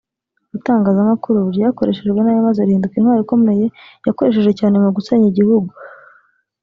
Itangazamakuru ryakoreshejwe nabi maze rihinduka intwaro ikomeye yakoreshejwe cyane mu gusenya igihugu